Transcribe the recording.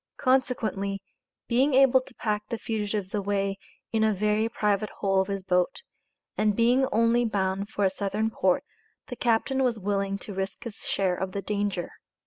Consequently, being able to pack the fugitives away in a very private hole of his boat, and being only bound for a Southern port, the captain was willing to risk his share of the danger.